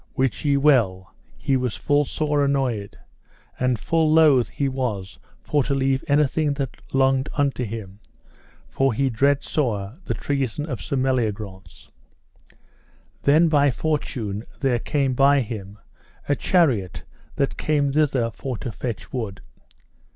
Wit ye well he was full sore annoyed, and full loath he was for to leave anything that longed unto him, for he dread sore the treason of Sir Meliagrance. Then by fortune there came by him a chariot that came thither for to fetch wood.